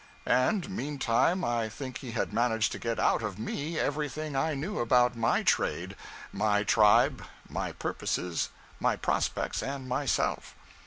And meantime I think he had managed to get out of me everything I knew about my trade, my tribe, my purposes, my prospects, and myself.